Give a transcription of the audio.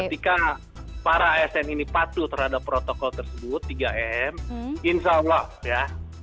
ketika para asn ini patuh terhadap protokol tersebut tiga m insya allah ya